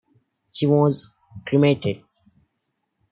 She was cremated.